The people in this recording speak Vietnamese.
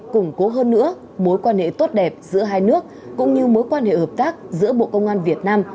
củng cố hơn nữa mối quan hệ tốt đẹp giữa hai nước cũng như mối quan hệ hợp tác giữa bộ công an việt nam